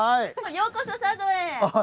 ようこそ佐渡へ！